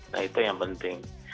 nah itu yang penting